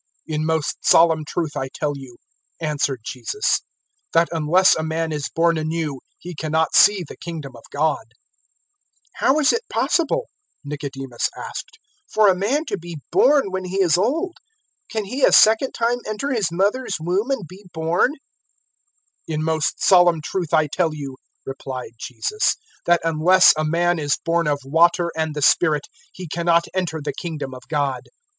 003:003 "In most solemn truth I tell you," answered Jesus, "that unless a man is born anew he cannot see the Kingdom of God." 003:004 "How is it possible," Nicodemus asked, "for a man to be born when he is old? Can he a second time enter his mother's womb and be born?" 003:005 "In most solemn truth I tell you," replied Jesus, "that unless a man is born of water and the Spirit, he cannot enter the Kingdom of God.